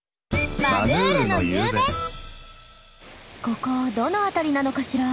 ここどの辺りなのかしら。